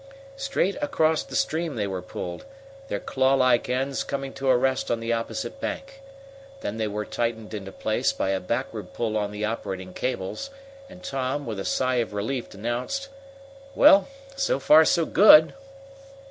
Straight across the stream they were pulled, their clawlike ends coming to a rest on the opposite bank. Then they were tightened into place by a backward pull on the operating cables, and Tom, with a sigh of relief, announced: "Well, so far so good!"